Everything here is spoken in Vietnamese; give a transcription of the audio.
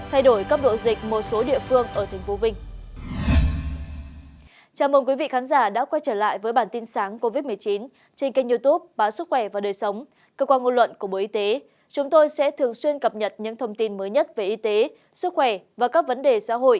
hãy đăng ký kênh để ủng hộ kênh của chúng mình nhé